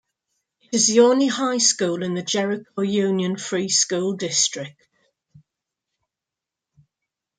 It is the only high school in the Jericho Union Free School District.